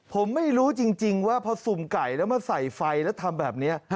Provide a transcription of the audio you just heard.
ผมไม่รู้จริงว่าพอสุ่มไก่แล้วมาใส่ไฟแล้วทำแบบนี้